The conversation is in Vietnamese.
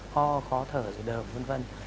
kho khó thở rồi đờm vân vân